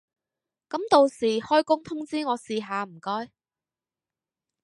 噉到時開工通知我試下唔該